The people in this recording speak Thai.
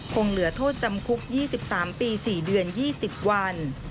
คงเหลือโทษจำคุก๒๓ปี๔เดือน๒๐วัน